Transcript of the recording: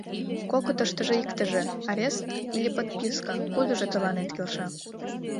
— Кокытыштыжо иктыже — арест или подписка — кудыжо тыланет келша?